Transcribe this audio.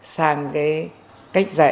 sang cái cách dạy